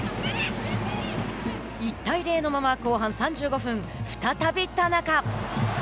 １対０のまま後半３５分再び田中。